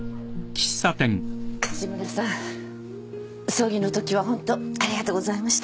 葬儀のときはホントありがとうございました。